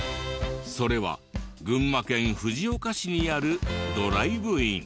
それは群馬県藤岡市にあるドライブイン。